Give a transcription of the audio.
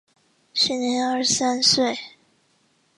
时年二十三岁。